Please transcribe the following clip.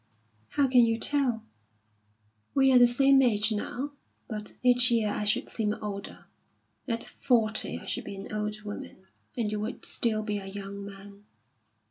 "How can you tell? We are the same age now, but each year I should seem older. At forty I should be an old woman, and you would still be a young man.